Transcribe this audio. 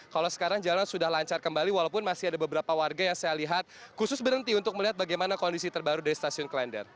kalau sekarang jalan sudah lancar kembali walaupun masih ada beberapa warga yang saya lihat khusus berhenti untuk melihat bagaimana kondisi terbaru dari stasiun klender